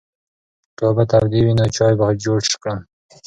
که اوبه تودې وي نو چای به جوړ کړم.